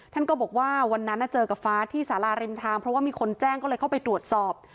ท่านก็บอกว่าวันนั้นเจอกับฟ้าที่สาราริมทางเพราะว่ามีคนแจ้งก็เลยเข้าไปตรวจสอบ